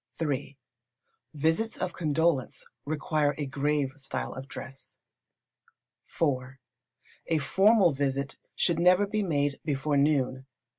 iii. Visits of condolence require a grave style of dress. iv. A formal visit should never be made before noon.